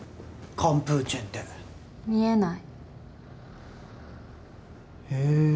カンプーチェンって「見えない」へえ